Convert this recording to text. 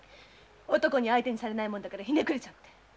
男に相手にされないもんだからひねくれちゃって。